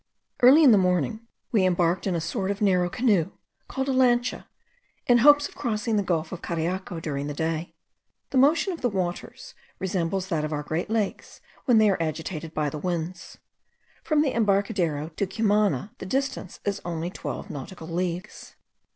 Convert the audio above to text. Early in the morning we embarked in a sort of narrow canoe, called a lancha, in hopes of crossing the gulf of Cariaco during the day. The motion of the waters resembles that of our great lakes, when they are agitated by the winds. From the embarcadero to Cumana the distance is only twelve nautical leagues.